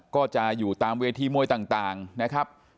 ก็จะอยู่ตามเวทีมวยต่างนะครับ